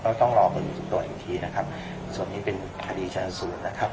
ต้องรอผลตรวจอีกทีนะครับส่วนนี้เป็นคดีชนสูตรนะครับ